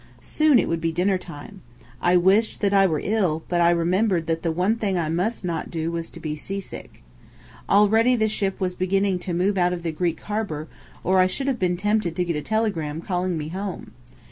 Soon it would be dinner time. I wished that I were ill, but I remembered that the one thing I must not do was to be seasick. Already the ship was beginning to move out of the Greek harbour, or I should have been tempted to get a telegram calling me home.